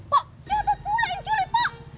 pok siapa pula yang culik pok